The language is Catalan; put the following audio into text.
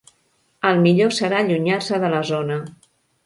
El millor serà allunyar-se de la zona.